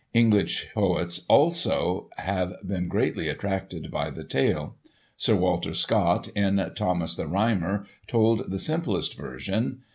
English poets, also, have been greatly attracted by the tale. Sir Walter Scott, in "Thomas the Rhymer," told the simplest version.